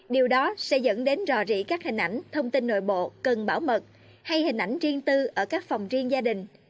điều đó sẽ dẫn đến rò rỉ các hình ảnh thông tin nội bộ cần bảo mật hay hình ảnh riêng tư ở các phòng riêng gia đình